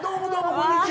・こんにちは。